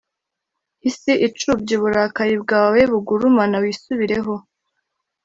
isi icubya uburakari bwawe bugurumana wisubireho